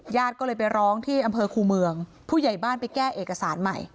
ญาติก็เลยไปร้องที่อำเภอคูเมืองผู้ใหญ่บ้านไปแก้เอกสารใหม่